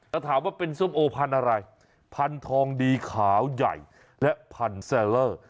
แต่ถามว่าเป็นส้มโอพันธุ์อะไรพันธองดีขาวใหญ่และพันธุ์แซลเลอร์